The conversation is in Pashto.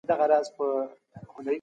هغه شخص چي فساد کوي د ژوند حق نه لري.